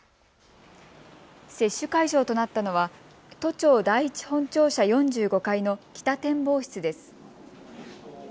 接種会場となったのは都庁第一本庁舎４５階の北展望室です。